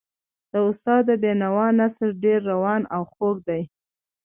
د استاد د بینوا نثر ډېر روان او خوږ دی.